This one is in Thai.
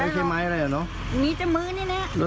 ไม่ใช่ไม้อะไรเหรอเนอะมีแจ้งมื้นนี่หนัง